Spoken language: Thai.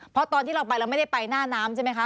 เพราะตอนที่เราไปเราไม่ได้ไปหน้าน้ำใช่ไหมคะ